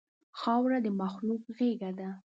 خاوره د مخلوق غېږه ده.